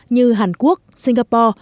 như hàn quốc singapore